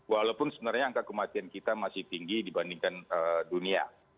walaupun sebenarnya angka kematian kita masih tinggi dibandingkan dunia